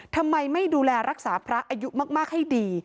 ทำไมไม่ดูแลรักษาพระอายุมากให้ดี